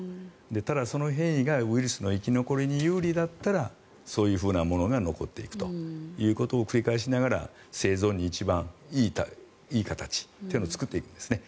ただ、その変異がウイルスの生き残りに有利だったらそういうふうなものが残っていくということを繰り返しながら生存に一番いい形というのを作っていくんですね。